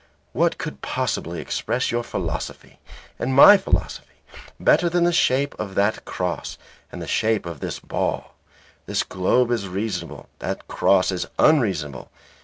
What could possibly express your philosophy and my philosophy better than the shape of that cross and the shape of this ball? This globe is reasonable; that cross is unreasonable.